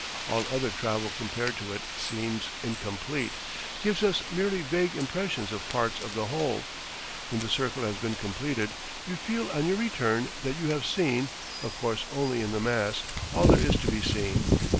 All other travel compared to it seems incomplete, gives us merely vague impressions of parts of the whole. When the circle has been completed, you feel on your return that you have seen (of course only in the mass) all there is to be seen.